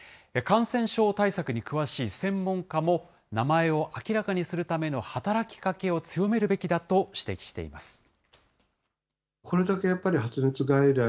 感染症対策に詳しい専門家も、名前を明らかにするための働きかけを強めるべきだと指摘しています。